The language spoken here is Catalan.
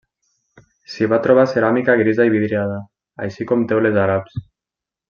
S'hi va trobar ceràmica grisa i vidriada, així com teules àrabs.